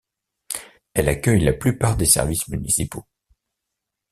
Elle accueille la plupart des services municipaux.